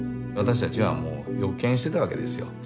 私たちはもう予見してたわけですよ。